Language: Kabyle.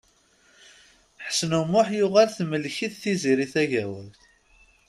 Ḥsen U Muḥ yuɣal temmlek-it Tiziri Tagawawt.